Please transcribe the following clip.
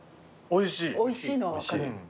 おいしい。